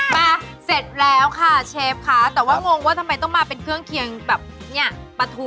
มาเสร็จแล้วค่ะเชฟค่ะแต่ว่างงว่าทำไมต้องมาเป็นเครื่องเคียงแบบเนี่ยปลาทู